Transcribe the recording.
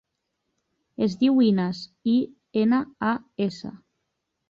Es diu Inas: i, ena, a, essa.